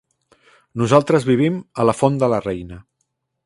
Nosaltres vivim a la Font de la Reina.